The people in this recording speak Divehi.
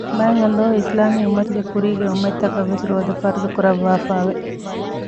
މާތްﷲ އިސްލާމީ އުއްމަތުގެ ކުރީގެ އުއްމަތަކަށްވެސް ރޯދަ ފަރްޟުކުރައްވާފައި ވެ